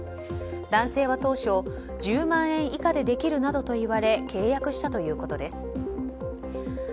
男性は当初１０万円以下でできるなどと言われ契約したということです。